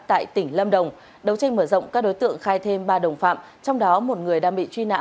tại tỉnh lâm đồng đấu tranh mở rộng các đối tượng khai thêm ba đồng phạm trong đó một người đang bị truy nã